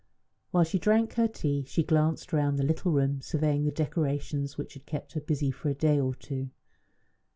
While she drank her tea she glanced round the little room, surveying the decorations which had kept her busy for a day or two.